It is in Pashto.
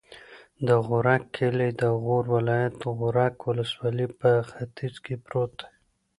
د غورک کلی د غور ولایت، غورک ولسوالي په ختیځ کې پروت دی.